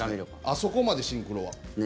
あそこまでシンクロは。